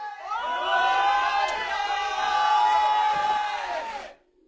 おい！